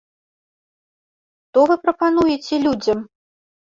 Што вы прапануеце людзям?